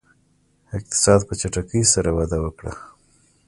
اقتصاد په چټکۍ سره وده وکړه.